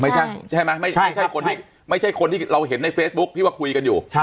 ใช่ใช่ไหมไม่ใช่คนที่เราเห็นในเฟซบุ๊คที่ว่าคุยกันอยู่